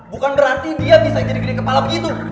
bukan berarti dia bisa jadi gede kepala begitu